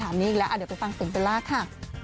เดี๋ยวก็ฟังสิ่งผิดแล้วค่ะ